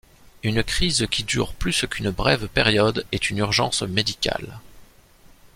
Une crise qui dure plus d'une brève période est une urgence médicale.